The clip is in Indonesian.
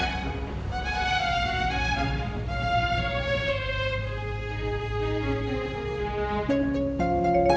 neng nggak boleh cemberut begitu sama orang tua